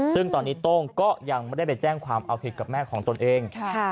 ซึ่งตอนนี้โต้งก็ยังไม่ได้ไปแจ้งความเอาผิดกับแม่ของตนเอง